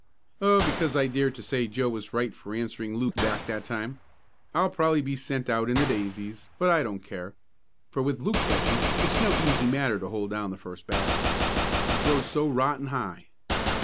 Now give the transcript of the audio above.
"Oh, because I dared to say Joe was right for answering Luke back that time. I'll probably be sent out in the daisies, but I don't care, for with Luke catching it's no easy matter to hold down the first bag. He throws so rotten high.